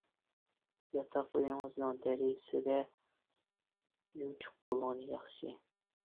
ياتاق ئۆيىڭىزنىڭ دېرىزىسىدە يوچۇق بولغىنى ياخشى.